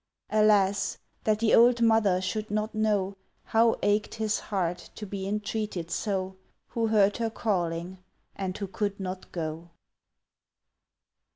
Alas, that the old Mother should not know How ached his heart to be entreated so, Who heard her calling and who could not go!